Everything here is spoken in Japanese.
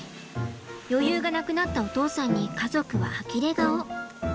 余裕がなくなったお父さんに家族はあきれ顔。